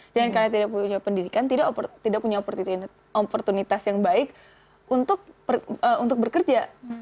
dan karena tidak punya pendidikan tidak punya oportunitas yang baik untuk bekerja